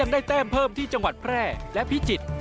ได้แต้มเพิ่มที่จังหวัดแพร่และพิจิตร